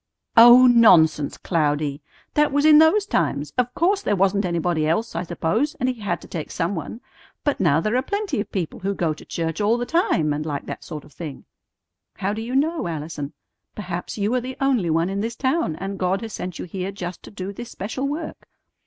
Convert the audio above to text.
"Oh, nonsense, Cloudy! That was in those times. Of course. There wasn't anybody else, I suppose; and He had to take some one. But now there are plenty of people who go to church all the time and like that sort of thing." "How do you know, Allison? Perhaps you are the only one in this town, and God has sent you here just to do this special work."